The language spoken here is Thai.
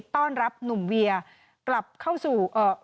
ต้อนรับหนุ่มเวียเข้าสู่